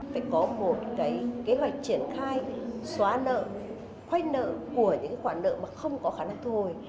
phải có một cái kế hoạch triển khai xóa nợ khoanh nợ của những khoản nợ mà không có khả năng thu hồi